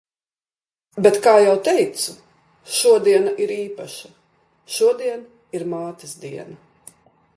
Bet kā jau teicu, šodiena ir īpaša – šodien ir Mātes diena.